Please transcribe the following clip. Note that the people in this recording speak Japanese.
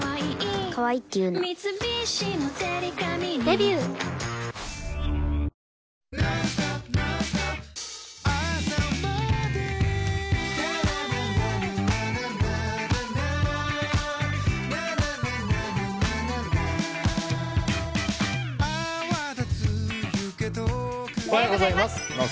「ビオレ」おはようございます。